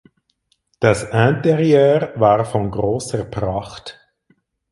Das Interieur war von großer Pracht.